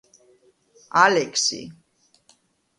ალექსი